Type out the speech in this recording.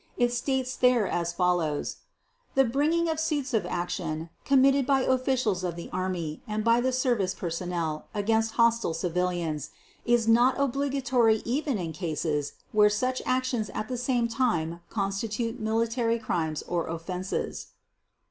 It states there as follows: "The bringing of suits of actions, committed by officials of the Army and by the service personnel against hostile civilians is not obligatory even in cases where such actions at the same time constitute military crimes or offenses